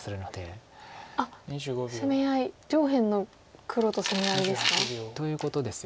あっ攻め合い上辺の黒と攻め合いですか？ということですよね。